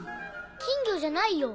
金魚じゃないよ！